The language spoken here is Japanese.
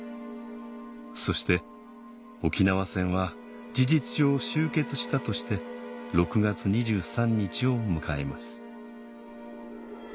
そして沖縄戦は事実上終結したとして６月２３日を迎えます